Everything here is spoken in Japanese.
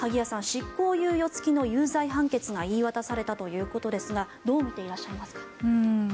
執行猶予付きの有罪判決が言い渡されたということですがどう見ていらっしゃいますか。